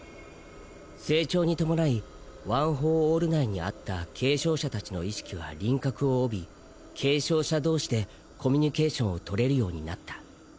成長に伴いワン・フォー・オール内にあった継承者達の意識は輪郭を帯び継承者同士でコミュニケーションを取れるようになった。